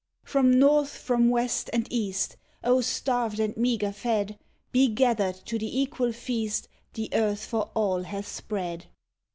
IV From North, from West, and East, O starved and meagre fed! Be gathered to the equal feast The earth for all hath spread.